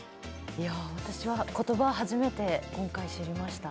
私は言葉は初めて今回知りました。